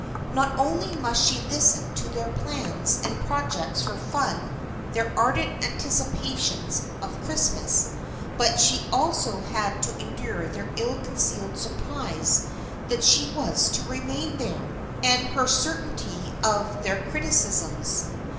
Not only must she listen to their plans and projects for fun, their ardent anticipations of Christmas, but she also had to endure their ill concealed surprise that she was to remain there, and her certainty of their criticisms.